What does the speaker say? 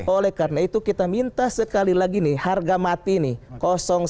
oleh karena itu kita minta sekali lagi nih harga mati nih